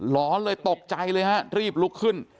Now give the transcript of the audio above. ร้อนเลยตกใจเลยฮะรีบลุกขึ้น